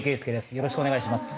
よろしくお願いします。